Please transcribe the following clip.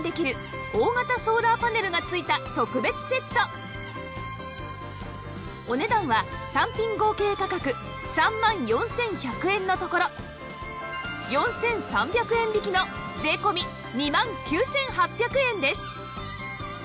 今回はお値段は単品合計価格３万４１００円のところ４３００円引きの税込２万９８００円です